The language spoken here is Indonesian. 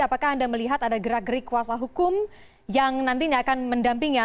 apakah anda melihat ada gerak gerik kuasa hukum yang nantinya akan mendampingi